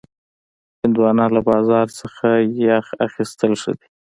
هندوانه له بازار نه یخ اخیستل ښه دي.